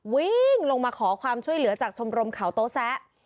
วิ่งลงมาขอความช่วยเหลือจากชมรมเขาโต๊แซะ